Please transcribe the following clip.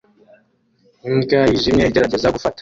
Imbwa yijimye igerageza gufata